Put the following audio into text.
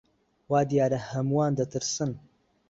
وا دیارە هەمووان دەترسن.